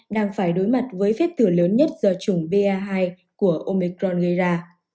đang phải đối mặt với phép tử lớn nhất do chủng ba hai của omicron gây ra